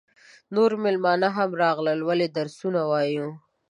نور مېلمانه هم راغلل ولې درس وایو.